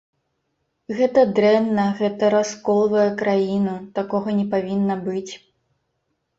Гэта дрэнна, гэта расколвае краіну, такога не павінна быць.